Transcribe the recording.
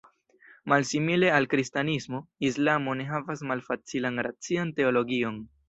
Malsimile al kristanismo, islamo ne havas malfacilan racian teologion.